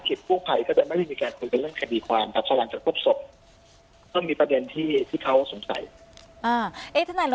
ใช่พวกเขากลับไปดูนะครับแล้วก็โปรดภาพติดใจเพราะว่าเขาบอกว่ากลิ่นเหม็นเกล้าอะไรเลย